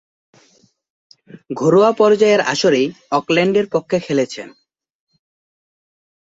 ঘরোয়া পর্যায়ের আসরে অকল্যান্ডের পক্ষে খেলেছেন।